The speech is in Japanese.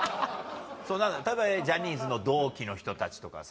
ジャニーズの同期の人たちとかさ